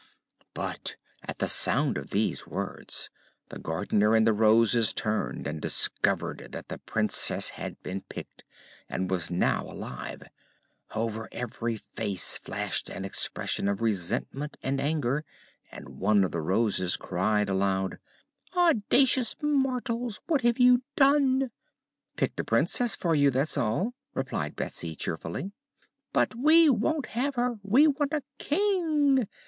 But at the sound of these words the Gardener and the Roses turned and discovered that the Princess had been picked, and was now alive. Over every face flashed an expression of resentment and anger, and one of the Roses cried aloud. "Audacious mortals! What have you done?" "Picked a Princess for you, that's all," replied Betsy, cheerfully. "But we won't have her! We want a King!"